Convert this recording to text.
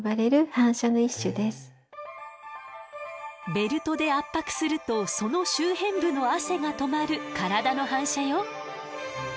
ベルトで圧迫するとその周辺部の汗がとまる体の反射よ。